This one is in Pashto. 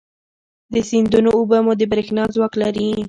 د سیندونو اوبه مو د برېښنا ځواک لري.